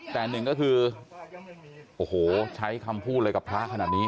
แต่หนึ่งก็คือโอ้โหใช้คำพูดอะไรกับพระขนาดนี้